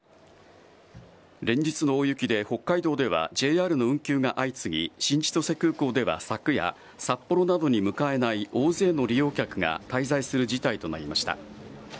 連日の大雪で北海道ではＪＲの運休が相次ぎ新千歳空港では昨夜札幌などに向かえない大勢の利用客が滞在する事態となりました。